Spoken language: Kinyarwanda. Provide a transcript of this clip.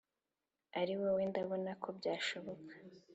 Ari wowe ndabona ko byashoboka!"